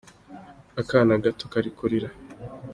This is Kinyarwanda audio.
Akana gato kari kurira.